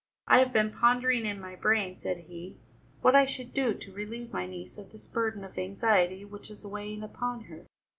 "I have been pondering in my brain," said he, "what I should do to relieve my niece of this burden of anxiety which is weighing upon her.